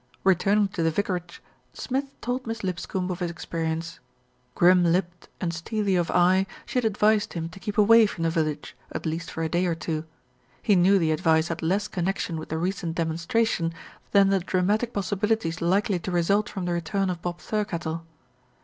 Returning to the vicarage, Smith told Miss Lip scombe of his experience. Grim lipped and steely of eye, she had advised him to keep away from the vil lage, at least for a day or two. He knew the advice had less connection with the recent demonstration than the dramatic possibilities likely to result from the return of Bob Thirkettle.